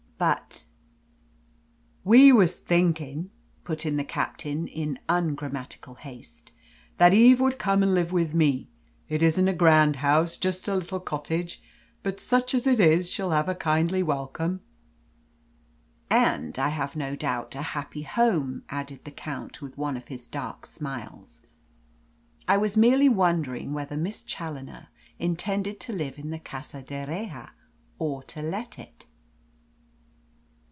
But " "We was thinking," put in the Captain, in ungrammatical haste, "that Eve would come and live with me. It isn't a grand house just a little cottage. But such as it is, she'll have a kindly welcome." "And, I have no doubt, a happy home", added the Count, with one of his dark smiles. "I was merely wondering whether Miss Challoner intended to live in the Casa d'Erraha or to let it?"'